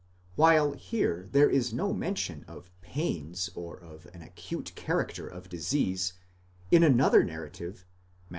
While here there is no mention of pains, or of an acute character of disease, in another narrative (Matt.